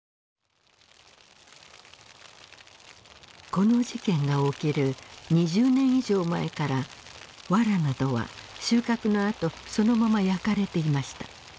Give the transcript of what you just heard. この事件が起きる２０年以上前からわらなどは収穫のあとそのまま焼かれていました。